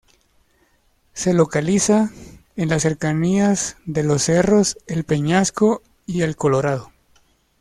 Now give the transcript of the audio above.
Se localiza en las cercanías de los cerros el Peñasco y el Colorado.